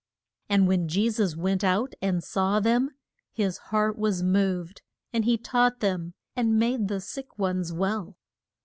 And when Je sus went out and saw them, his heart was moved, and he taught them, and made the sick ones well.